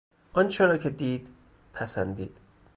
آنچه را که دید، پسندید.